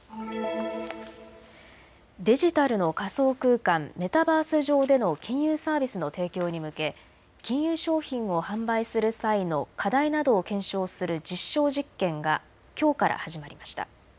デジタルの仮想空間、メタバース上での金融サービスの提供に向け金融商品を販売する際の課題などを検証する実証実験がきょうから始まりました。